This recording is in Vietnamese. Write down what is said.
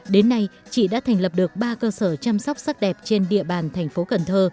đến nay chị đã thành lập được ba cơ sở chăm sóc sắc đẹp trên địa bàn tp cn